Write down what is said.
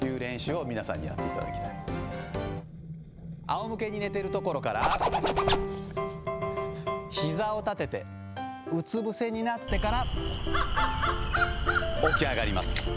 あおむけに寝ているところから、ひざを立てて、うつ伏せになってから起き上がります。